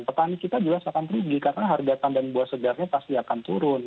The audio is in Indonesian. petani kita jelas akan rugi karena harga tandan buah segarnya pasti akan turun